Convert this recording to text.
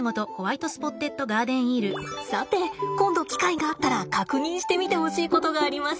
さて今度機会があったら確認してみてほしいことがあります。